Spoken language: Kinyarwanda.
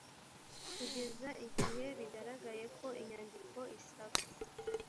kugeza igihe bigaragaye ko inyandiko isaba